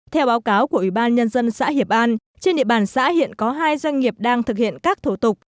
theo báo cáo của ủy ban nhân dân xã hiệp an trên địa bàn xã hiện có hai doanh nghiệp đang thực hiện các thủ tục